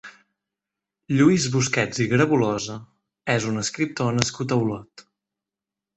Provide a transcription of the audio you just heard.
Lluís Busquets i Grabulosa és un escriptor nascut a Olot.